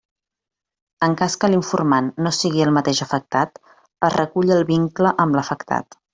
En cas que l'informant no sigui el mateix afectat, es recull el vincle amb l'afectat.